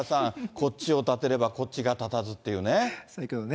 こっちを立てればこっちが立たずっていうね。